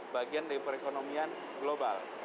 bagian dari perekonomian global